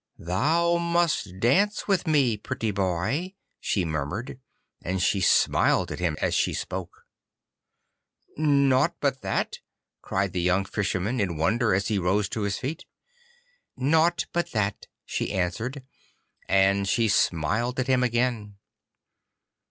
'Thou must dance with me, pretty boy,' she murmured, and she smiled at him as she spoke. 'Nought but that?' cried the young Fisherman in wonder and he rose to his feet. 'Nought but that,' she answered, and she smiled at him again.